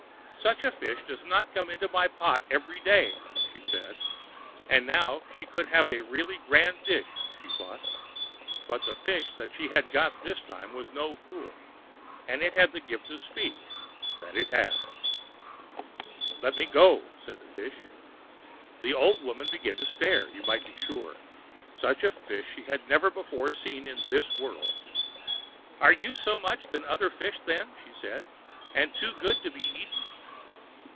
"Such fish does not come into my pot every day," she said; and now she could have a really grand dish, she thought. But the fish that she had got this time was no fool; it had the gift of speech, that it had. "Let me go!" said the fish. The old woman began to stare, you may be sure. Such a fish she had never before seen in this world. "Are you so much better than other fish, then?" she said, "and too good to be eaten?"